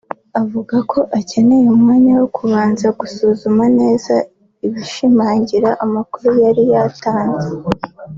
avuga ko akeneye umwanya wo kubanza gusuzuma neza ibishimangira amakuru yari yatanze